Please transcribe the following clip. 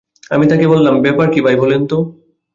আমি তাঁকে বললাম, ব্যাপার কী বলেন তো ভাই?